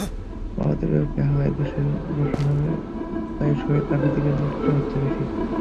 ভারতের বিপক্ষে হারায় দেশের মানুষের রোষানলেও তাই শহীদ আফ্রিদিকেই পুড়তে হচ্ছে বেশি।